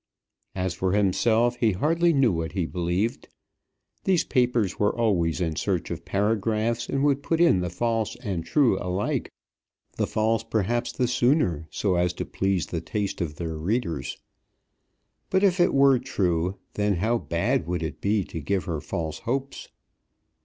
As for himself, he hardly knew what he believed. These papers were always in search of paragraphs, and would put in the false and true alike, the false perhaps the sooner, so as to please the taste of their readers. But if it were true, then how bad would it be to give her false hopes!